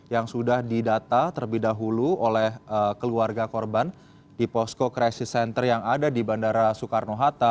yang sudah didata terlebih dahulu oleh keluarga korban di posko crisis center yang ada di bandara soekarno hatta